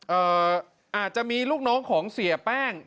อาจจะมีลูกน้องของเสียแป้ง